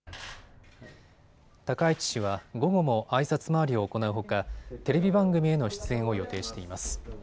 高市氏は午後もあいさつ回りを行うほかテレビ番組への出演を予定しています。